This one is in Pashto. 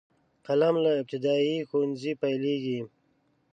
قلم له ابتدايي ښوونځي پیلیږي.